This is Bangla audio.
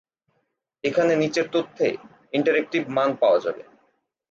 এখানে নিচের তথ্যে ইন্টারেক্টিভ মান পাওয়া যাবে।